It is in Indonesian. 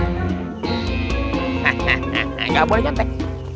hahaha nggak boleh nyantek